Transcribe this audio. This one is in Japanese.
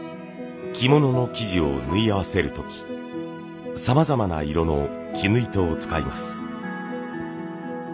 着物の生地を縫い合わせる時さまざまな色の絹糸を使います。